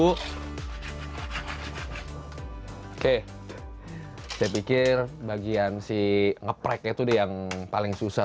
oke saya pikir bagian si ngeprek itu yang paling susah